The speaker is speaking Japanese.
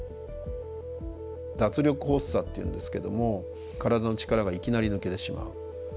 脱力発作っていうんですけども体の力がいきなり抜けてしまう。